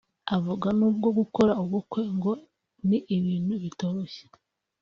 avuga n’ubwo gukora ubukwe ngo ni ibintu bitoroshye